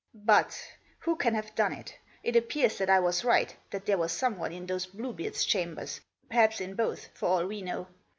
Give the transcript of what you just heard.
" But — who can have done it ? It appears that I was right, that there was someone in those Bluebeard's chambers — perhaps in both, for all we know.